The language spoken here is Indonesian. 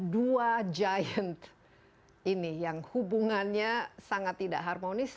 dua giant ini yang hubungannya sangat tidak harmonis